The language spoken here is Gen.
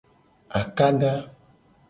Akada.